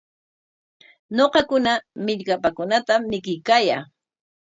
Ñuqakuna millkapaakunatam mikuykaayaa.